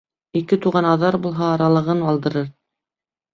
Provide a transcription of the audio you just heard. Ике туған аҙар булһа, аралағын алдырыр.